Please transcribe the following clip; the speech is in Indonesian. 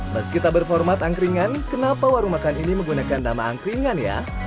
meski tak berformat angkringan kenapa warung makan ini menggunakan nama angkringan ya